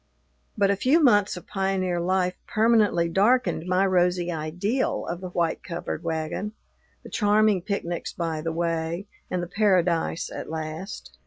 But a few months of pioneer life permanently darkened my rosy ideal of the white covered wagon, the charming picnics by the way, and the paradise at last.